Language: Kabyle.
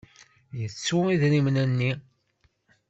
Yettu idrimen-nni.